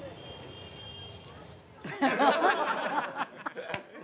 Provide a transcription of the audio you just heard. ハハハハ！